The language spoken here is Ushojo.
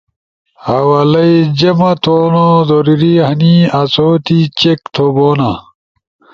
حوالئی جمع تھونو ضروری ہنی آسو تی چیک تھو بونا